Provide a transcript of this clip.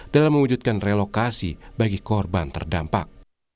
dalam mewujudkan relokasi bagi korban terdampak